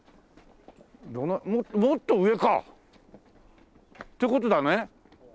もっと上か！って事だね？